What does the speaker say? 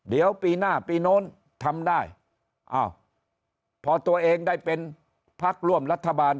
เดี๋ยวปีหน้าปีโน้นทำได้อ้าวพอตัวเองได้เป็นพักร่วมรัฐบาล